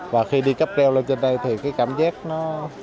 và khi đi cấp reo lên trên đây thì cái cảm giác nó